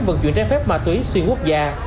vân chuyển ra phép ma túy xuyên quốc gia